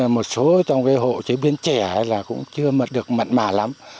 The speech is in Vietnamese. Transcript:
một số trong cái hộ chế biến chè là cũng chưa được mạn mà lắm